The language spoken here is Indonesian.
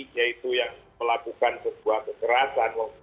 yaitu yang melakukan sebuah kekerasan